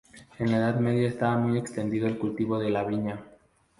En la Edad Media estaba muy extendido el cultivo de la viña.